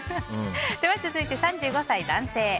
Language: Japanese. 続いて３５歳の男性の方。